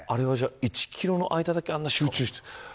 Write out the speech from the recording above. １キロの間だけあんなに集中して。